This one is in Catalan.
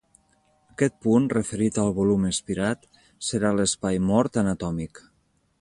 Aquest punt, referit al volum espirat, serà l'espai mort anatòmic.